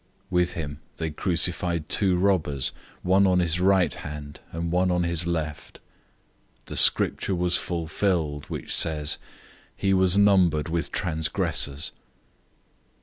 015:027 With him they crucified two robbers; one on his right hand, and one on his left. 015:028 The Scripture was fulfilled, which says, "He was numbered with transgressors."